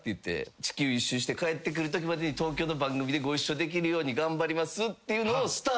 「地球１周して帰ってくるときまでに東京の番組でご一緒できるように頑張ります」っていうのを。